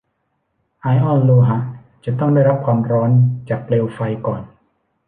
ไอออนโลหะจะต้องได้รับความร้อนจากเปลวไฟก่อน